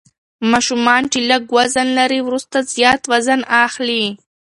ماشومان چې لږ وزن لري وروسته زیات وزن اخلي.